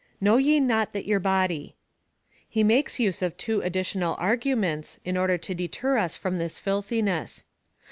Know ye not that your body. He makes use of two additional arguments, in order to deter us from this filthi ness.